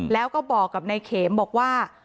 แล้วก็บอกกับนายเขมบอกว่า